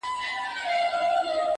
په خپل کور کي یې پردی پر زورور دی!